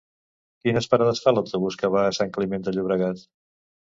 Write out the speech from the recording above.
Quines parades fa l'autobús que va a Sant Climent de Llobregat?